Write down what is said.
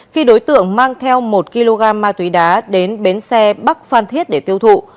khi đối tượng mang theo một kg ma túy đá đến bến xe bắc phan thiết để tiêu thụ